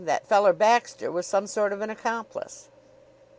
that feller Baxter was some sort of an accomplice.